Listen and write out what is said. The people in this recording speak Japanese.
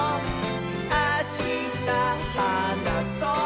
あしたはなそう！」